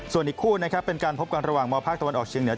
ส่วนอีกคู่นะครับเป็นการพบกันระหว่างมภาคตะวันออกเชียงเหนือ